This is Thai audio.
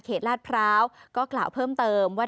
ลาดพร้าวก็กล่าวเพิ่มเติมว่า